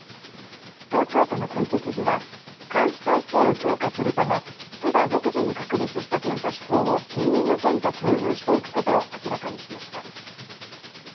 東京都の小池知事は監視体制を強化するため都が独自に確立した検査手法を近隣の県と共有していくことを明らかにしました。